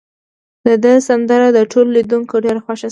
د ده سندره د ټولو لیدونکو ډیره خوښه شوه.